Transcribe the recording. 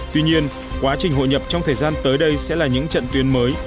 tuy nhiên quá trình hội nhập trong thời gian tới đây sẽ là những trận tuyến mới